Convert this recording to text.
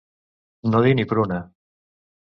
No dir ni pruna.